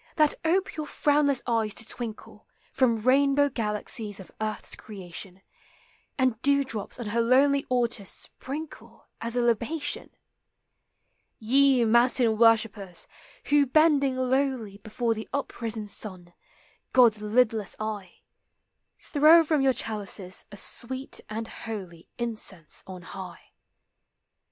that ope your frownless eyes to twinkle From rainbow galaxies of earth's creation, And dew drops on her lonely altars sprinkle As a libation. Ye matin worshippers ! who bending lowly Before the uprisen sun, God's lidless eye, Throw from your chalices a sweet and holy Incense on high.